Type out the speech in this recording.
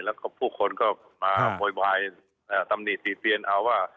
แล้วก็ผู้คนก็มาโวยวายตำหนิติเตียนเอาว่า